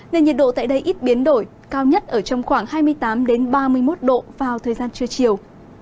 nên nhiệt độ tại đây ít biến đổi cao nhất ở trong khoảng hai mươi tám ba mươi một độ vào thời gian trưa chiều